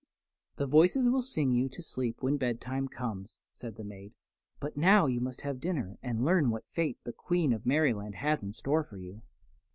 "The voices will sing you to sleep when bedtime comes," said the maid; "but now you must have dinner and learn what fate the Queen of Merryland has in store for you."